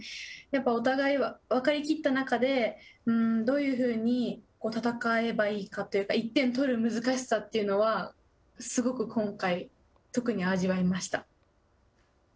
お互い分かりきった中でどういうふうに戦えばいいかというか、１点取る難しさというのはすごく今回、特に味わいました。